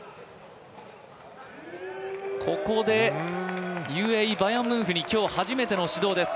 ここでＵＡＥ、バヤンムンフに今日初めての指導です。